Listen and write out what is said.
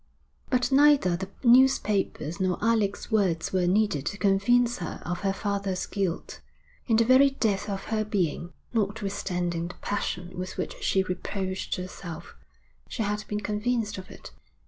But neither the newspapers nor Alec's words were needed to convince her of her father's guilt; in the very depths of her being, notwithstanding the passion with which she reproached herself, she had been convinced of it.